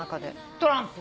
トランプ。